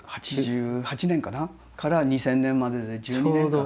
８８年かな？から２０００年までで１２年間。